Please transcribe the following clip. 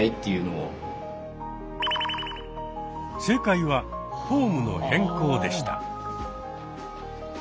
正解は「フォームの変更」でした。